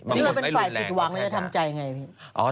บางคนไม่รุนแรงก็ฆ่า